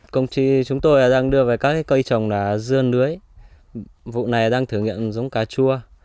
công ty chúng tôi đang đưa về các cây trồng dưa lưới vụ này đang thử nghiệm giống cà chua